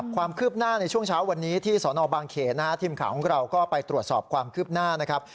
ความคืบหน้าในช่วงเช้าวันนี้ที่สนบางเขนนะฮะทีมข่าวของเราก็ไปตรวจสอบความคืบหน้านะครับ